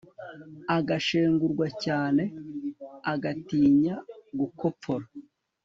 agashengurwa cyaneagatinya gukopfora